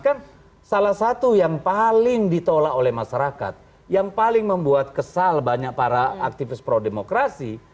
kan salah satu yang paling ditolak oleh masyarakat yang paling membuat kesal banyak para aktivis pro demokrasi